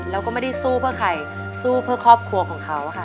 แล้วก็ไม่ได้สู้เพื่อใครสู้เพื่อครอบครัวของเขาค่ะ